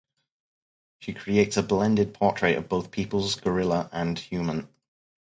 She creates a blended portrait of both peoples-gorilla and human.